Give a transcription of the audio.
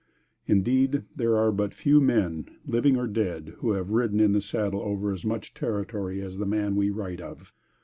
Indeed, there are but few men living or dead, who have ridden in the saddle over as much territory as the man we write of.